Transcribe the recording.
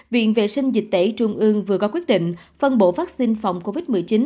viện vệ sinh dịch tẩy trung ương vừa có quyết định phân bộ vaccine phòng covid một mươi chín